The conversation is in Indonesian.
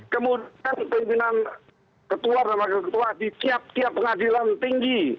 kemudian pimpinan ketua di tiap tiap pengadilan tinggi